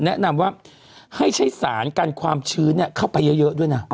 แนะนำว่าให้ใช้สารกันความชื้นเข้าไปเยอะด้วยนะ